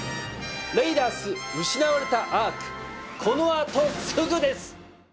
『レイダース失われたアーク聖櫃』この後すぐです！